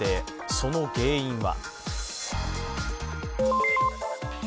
その原因は。